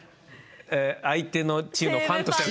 相手のチームのファンとしては。